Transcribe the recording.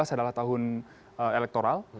adalah tahun elektoral